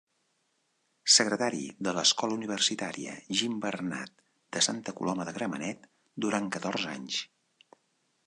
Secretari de l'Escola Universitària Gimbernat de Santa Coloma de Gramenet, durant catorze anys.